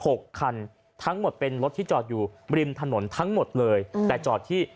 หกคันทั้งหมดเป็นรถที่จอดอยู่ริมถนนทั้งหมดเลยอืมแต่จอดที่